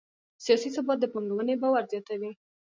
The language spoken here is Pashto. سیاسي ثبات د پانګونې باور زیاتوي